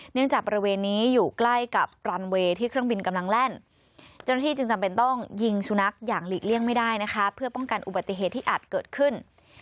จากบริเวณนี้อยู่ใกล้กับรันเวย์ที่เครื่องบินกำลังแล่นเจ้าหน้าที่จึงจำเป็นต้องยิงสุนัขอย่างหลีกเลี่ยงไม่ได้นะคะเพื่อป้องกันอุบัติเหตุที่อาจเกิดขึ้น